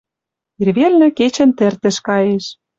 Ирвелнӹ кечӹн тӹртӹш каеш.